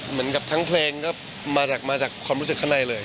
เหมือนกับทั้งเพลงก็มาจากความรู้สึกข้างในเลย